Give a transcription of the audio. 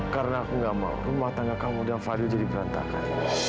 karena aku gak mau rumah tangga kamu dan fadil jadi berantakan